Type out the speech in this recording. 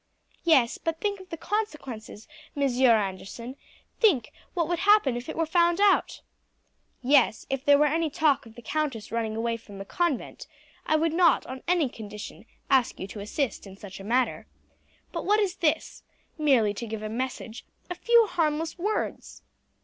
"Yes; but think of the consequences, Monsieur Anderson: think what would happen if it were found out." "Yes, if there were any talk of the countess running away from the convent I would not on any condition ask you to assist in such a matter; but what is this merely to give a message, a few harmless words."